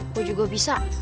kau juga bisa